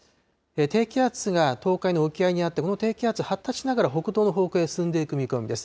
低気圧が東海の沖合にあって、この低気圧、発達しながら北東の方向へ進んでいく見込みです。